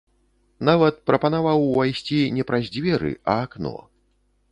Нават прапанаваў увайсці не праз дзверы, а акно.